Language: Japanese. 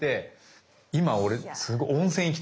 今俺すごい温泉行きたいもん。